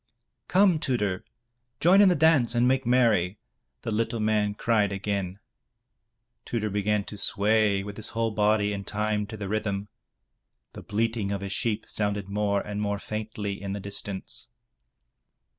"Come, Tudur, join in the dance and make merry,'* the little man cried again. Tudur began to sway with his whole body in time to the rhythm. The bleating of his sheep sounded more and more faintly in the distance.